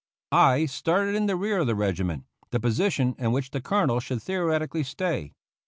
I started in the rear of the regiment, the posi tion in which the colonel should theoretically stay.